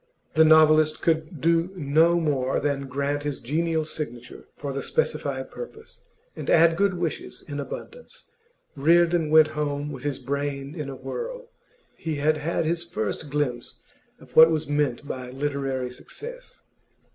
The novelist could do no more than grant his genial signature for the specified purpose, and add good wishes in abundance. Reardon went home with his brain in a whirl. He had had his first glimpse of what was meant by literary success.